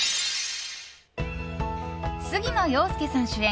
杉野遥亮さん主演